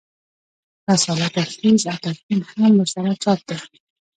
رساله تجهیز او تکفین هم ورسره چاپ ده.